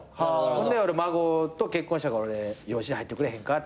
ほんで孫と結婚したから「養子に入ってくれへんか」って。